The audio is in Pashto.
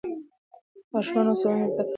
ماشومان اوس زده کړه کوي.